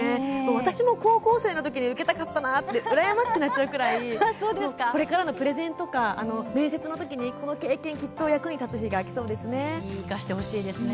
私も高校生のときに受けたかったなって羨ましくなっちゃうくらいこれからのプレゼン面接のときにこの経験きっと役に立つ日がきそうですね。